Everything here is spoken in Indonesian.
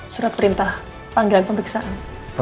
surat perintah pemiksaan